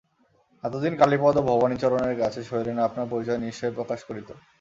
এতদিনে কালীপদ ও ভবানীচরণের কাছে শৈলেন আপনার পরিচয় নিশ্চয় প্রকাশ করিত।